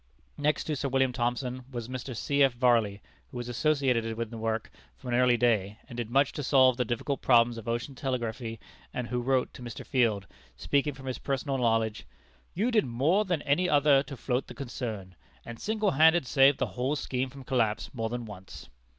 Next to Sir William Thomson was Mr. C. F. Varley, who was associated in the work from an early day, and did much to solve the difficult problems of ocean telegraphy, and who wrote to Mr. Field, speaking from his personal knowledge: "You did more than any other to float the concern, and single handed saved the whole scheme from collapse more than once."